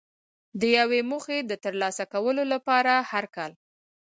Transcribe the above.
د یوې موخې د ترلاسه کولو لپاره هر کال.